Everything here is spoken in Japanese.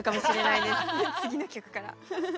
次の曲から。